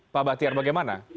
pak batiar bagaimana